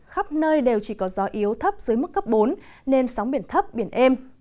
khắp nơi đều chỉ có gió yếu thấp dưới mức cấp bốn nên sóng biển thấp biển êm